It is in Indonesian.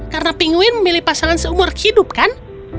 karena pinguin memilih pasangan seumur hidup kan